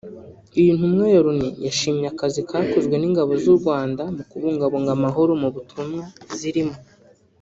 Iyi Ntumwa ya Loni yashimye akazi kakozwe n’Ingabo z’u Rwanda mu kubungabunga amahoro mu butumwa zirimo